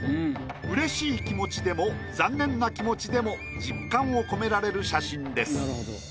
嬉しい気持ちでも残念な気持ちでも実感を込められる写真です。